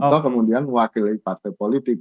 atau kemudian mewakili partai politik